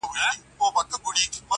سړي وویل د کاکا زوی دي حاکم دئ؛